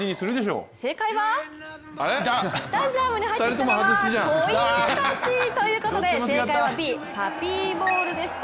正解はスタジアムに入ってきたのは子犬たちということで、正解はＢパピーボウルでした。